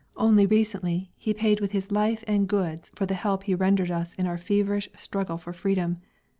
Only recently he paid with his life and goods for the help he rendered us in our feverish struggle for freedom.